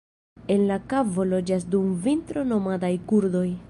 En la kavo loĝas dum vintro nomadaj kurdoj.